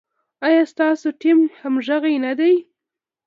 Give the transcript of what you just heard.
ایا ستاسو ټیم همغږی نه دی؟